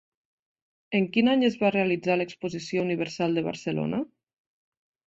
En quin any es va realitzar l'Exposició Universal de Barcelona?